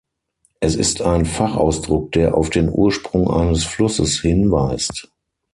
Es ist ein Fachausdruck, der auf den Ursprung eines Flusses hinweist.